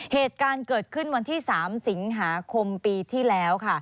เหตุการณ์เกิดขึ้นวันที่๓สิงหาคมปีที่แล้วค่ะ